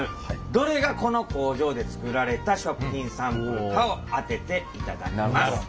どれがこの工場で作られた食品サンプルかを当てていただきます。